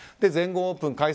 全豪オープン